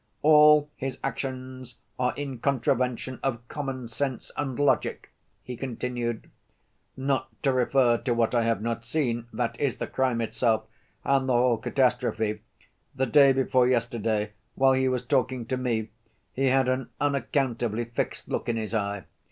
"All his actions are in contravention of common sense and logic," he continued. "Not to refer to what I have not seen, that is, the crime itself and the whole catastrophe, the day before yesterday, while he was talking to me, he had an unaccountably fixed look in his eye.